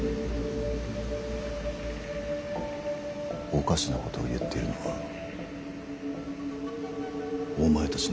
おかしなことを言っているのはお前たちの方だ。